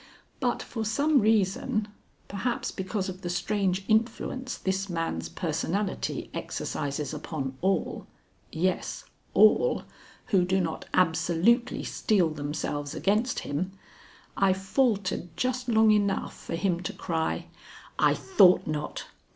But for some reason, perhaps because of the strange influence this man's personality exercises upon all yes, all who do not absolutely steel themselves against him, I faltered just long enough for him to cry: "I thought not.